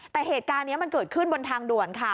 แต่เหตุการณ์นี้มันเกิดขึ้นบนทางด่วนค่ะ